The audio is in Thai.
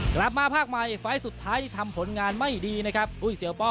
กลับมาภาคใหม่ไฟล์สุดท้ายที่ทำผลงานไม่ดีนะครับอุ้ยเสือป้อ